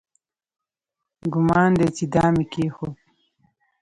ګومان دی چې دام یې کېښود.